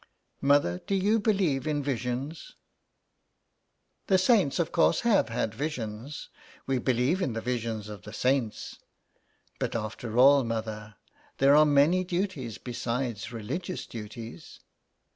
" Mother, do you believe in visions ?"" The saints, of course, have had visions. We believe in the visions of the saints.'' '' But after all, mother, there are many duties besides religious duties."